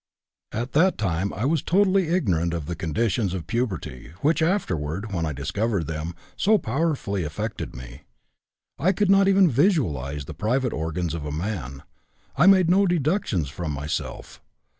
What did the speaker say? "At that time I was totally ignorant of the conditions, of puberty, which afterward, when I discovered them, so powerfully affected me. I could not even visualize the private organs of a man; I made no deductions from myself.